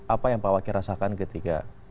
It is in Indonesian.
apa yang pak wakil rasakan ketika